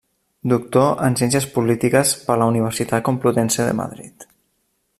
Doctor en Ciències Polítiques per la Universitat Complutense de Madrid.